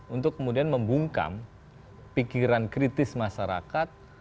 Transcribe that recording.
untuk kemudian membungkam pikiran kritis masyarakat